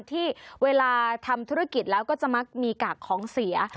ที่เวลาทำธุรกิจแล้วก็จะมักมีกากของเสีย